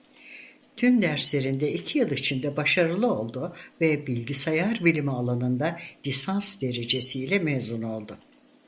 Tüm derslerinde iki yıl içinde başarılı oldu ve bilgisayar bilimi alanında lisans derecesi ile mezun oldu.